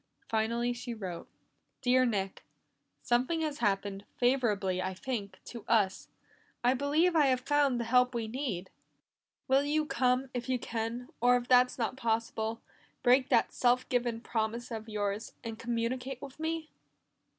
Finally she wrote. "Dear Nick "Something has happened, favorable, I think, to us. I believe I have found the help we need. "Will you come if you can, or if that's not possible, break that self given promise of yours, and communicate with me?